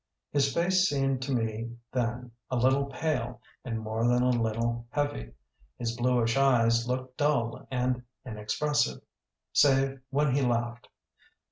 His face seemed to me then a little pale and more than a little heavy. His bluish eyes looked dull and inexpressive save when he laughed.